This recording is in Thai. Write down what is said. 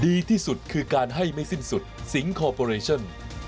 ดีที่สุดคือการให้ไม่สิ้นสุดสิงคอร์ปอเรชั่น